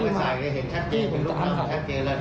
มีการค่ะ